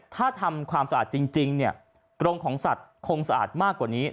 ถ้าทำความสะอาดจริงเนี่ยกรงของสัตว์คงสะอาดมากกว่านี้